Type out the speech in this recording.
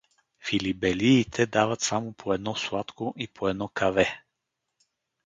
Филибелиите дават само по едно сладко и по едно каве.